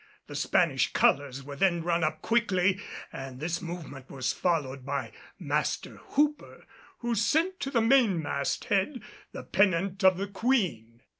The Spanish colors were then run up quickly, and this movement was followed by Master Hooper, who sent to the mainmast head the pennant of the Queen.